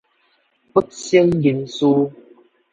不省人事